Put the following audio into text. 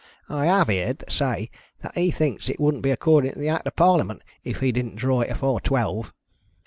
I have heerd say that he thinks it wouldn't be according to the Act of Parliament, if he didn't draw it afore twelve."